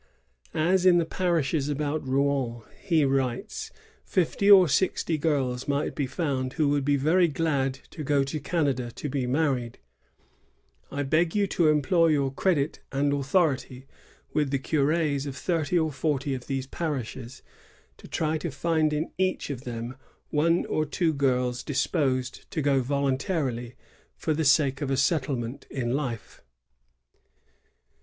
"As in the parishes about Rouen," he writes, "fifty or sixty girls might be found who would be very glad to go to Canada to be married', I beg you to employ your credit and authority with the cur^s of thirty or forty of these parishes, to try to find in each of them one or two girls disposed to go voluntarily for the sake of a settlement in life."